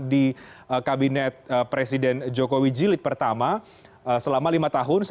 di kabinet presiden jokowi jilid pertama selama lima tahun